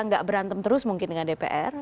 nggak berantem terus mungkin dengan dpr